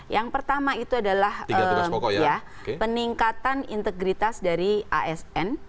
yang pertama itu adalah peningkatan integritas dari asn